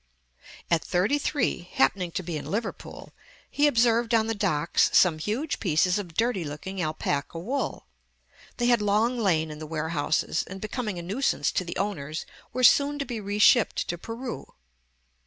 At thirty three, happening to be in Liverpool, he observed on the docks some huge pieces of dirty looking alpaca wool. They had long lain in the warehouses, and becoming a nuisance to the owners, were soon to be reshipped to Peru.